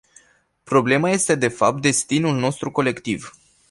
Problema este de fapt destinul nostru colectiv.